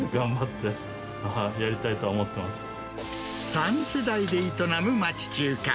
３世代で営む町中華。